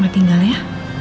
mama tinggal ya